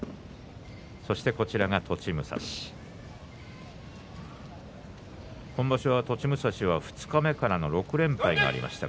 栃武蔵、今場所は栃武蔵は二日目からの６連敗がありました。